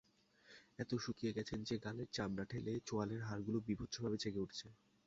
এত শুকিয়ে গেছেন যে, গালের চামড়া ঠেলে চোয়ালের হাড়গুলো বীভৎসভাবে জেগে উঠেছে।